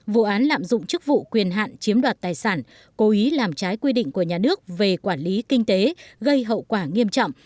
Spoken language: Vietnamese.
vụ án lạm dụng chức vụ quyền hạn chiếm đoạt tài sản cố ý làm trái quy định của nhà nước về quản lý kinh tế gây hậu quả nghiêm trọng